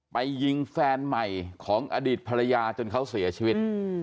ไปยิงแฟนใหม่ของอดีตภรรยาจนเขาเสียชีวิต